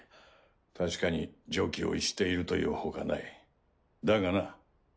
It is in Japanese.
確かに常軌を逸していると言う他ないだがな。